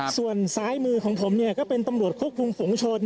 ส่วนซ้ายมือของผมก็เป็นตำรวจควบคุมฝุงชน